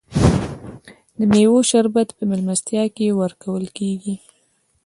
د میوو شربت په میلمستیا کې ورکول کیږي.